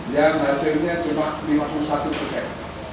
yang hasilnya cuma lima puluh satu persen